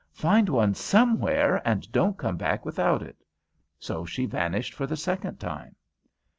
"Find one somewhere and don't come back without it." So she vanished for the second time.